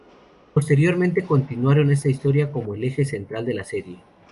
Posteriormente continuaron esta historia como el eje central de la serie.